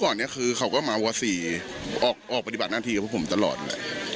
ตอนนี้คือเขาก็มาเวาะสีออกออกปฏิบัติหน้าทีกับผมตลอดเลย